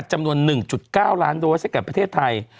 จำนวน๑๙ล้านโดยเศรษฐกรรมประเทศไทย